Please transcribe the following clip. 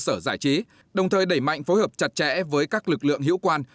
sở giải trí đồng thời đẩy mạnh phối hợp chặt chẽ với các lực lượng hiệu quan